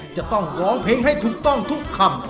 จะต้องร้องเพลงให้ถูกต้องทุกคำ